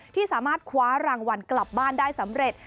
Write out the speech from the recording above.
ที่สามารถคว้ารางวัลกลับบ้านได้สำเร็จ